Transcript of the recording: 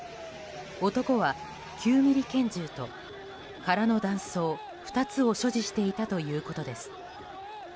男は９ｍｍ拳銃と空の弾倉２つを所持していたということです。